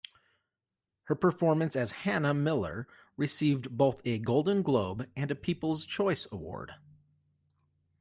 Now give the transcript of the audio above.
Her performance as Hannah Miller received both a Golden Globe and People's Choice Award.